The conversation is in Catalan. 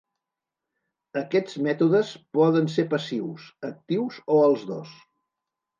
Aquests mètodes poden ser passius, actius, o els dos.